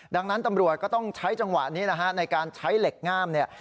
ดังนั้นตำรวจก็ต้องใช้จังหวะนี้นะฮะในการใช้เหล็กง่ามเนี่ย